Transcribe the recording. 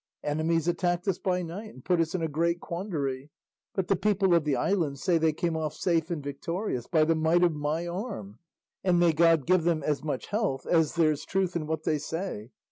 Enemies attacked us by night and put us in a great quandary, but the people of the island say they came off safe and victorious by the might of my arm; and may God give them as much health as there's truth in what they say.